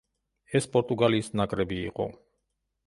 ეს პორტუგალიის ნაკრები იყო.